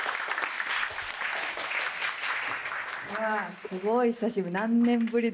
うわすごい久しぶり。